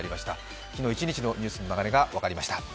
昨日一日のニュースの流れが分かりました。